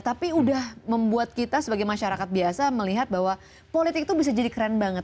tapi udah membuat kita sebagai masyarakat biasa melihat bahwa politik itu bisa jadi keren banget